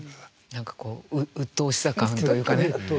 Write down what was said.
何かこううっとうしさ感というかね。